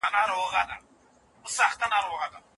هر څوک کولی شي خپل عادتونه بدل کړي.